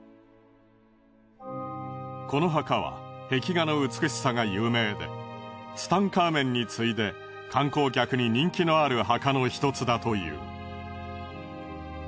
この墓は壁画の美しさが有名でツタンカーメンに次いで観光客に人気のある墓のひとつだという。